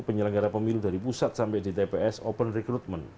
penyelenggara pemilu dari pusat sampai di tps open recruitment